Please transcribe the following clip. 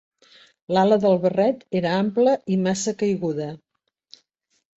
L'ala del barret era ampla i massa caiguda.